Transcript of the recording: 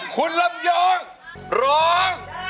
คุณลำยองร้อง